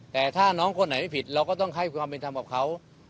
แต่ถ้าน้องคนไหนไม่ผิดเราก็ต้องให้ความเป็นธรรมกับเขา